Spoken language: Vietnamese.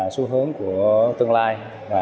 xu hướng của tương lai